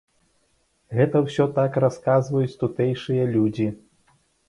Гэта ўсё так расказваюць тутэйшыя людзі.